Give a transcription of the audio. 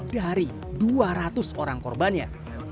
dari dua ratus orang korbannya